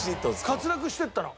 滑落していったの。